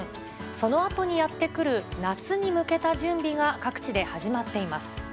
そのあとにやって来る夏に向けた準備が各地で始まっています。